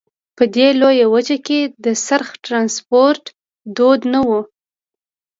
په دې لویه وچه کې د څرخ ټرانسپورت دود نه وو.